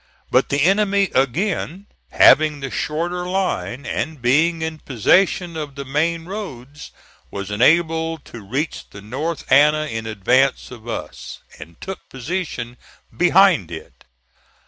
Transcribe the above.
But the enemy again, having the shorter line, and being in possession of the main roads, was enabled to reach the North Anna in advance of us, and took position behind it.